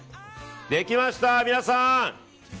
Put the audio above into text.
できました、皆さん。